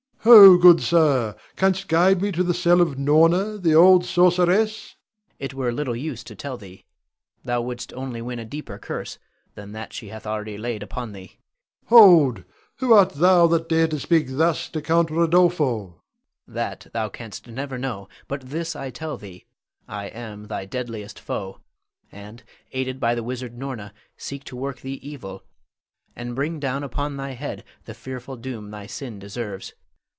[Enter Louis masked. Ho, stand, good sir. Canst guide me to the cell of Norna, the old sorceress? Louis. It were little use to tell thee; thou wouldst only win a deeper curse than that she hath already laid upon thee. Rod. Hold! who art thou that dare to speak thus to Count Rodolpho? Louis. That thou canst never know; but this I tell thee: I am thy deadliest foe, and, aided by the wizard Norna, seek to work thee evil, and bring down upon thy head the fearful doom thy sin deserves.